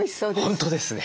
本当ですね。